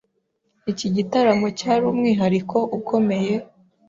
Iki gitaramo cyari umwihariko ukomeye,